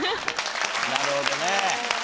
なるほどね。